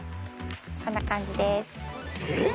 こんな感じですえっ！？